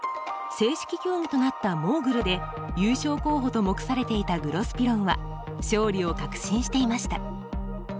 正式競技となったモーグルで優勝候補と目されていたグロスピロンは勝利を確信していました。